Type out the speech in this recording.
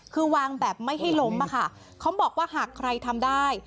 คือวางแบบไม่ให้ล้มอะค่ะเขาบอกว่าหากใครทำได้